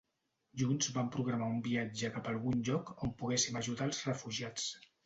Junts vam programar un viatge cap algun lloc on poguéssim ajudar als refugiats.